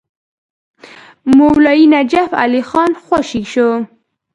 مولوي نجف علي خان خوشي شو.